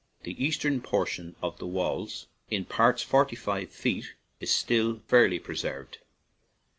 The eastern portion of the walls, in parts forty feet high, is still fairly preserved.